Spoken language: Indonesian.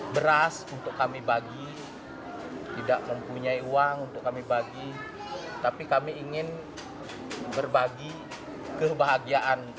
beras untuk kami bagi tidak mempunyai uang untuk kami bagi tapi kami ingin berbagi kebahagiaan